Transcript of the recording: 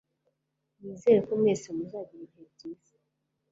Nzi neza ko mwese muzagira ibihe byiza.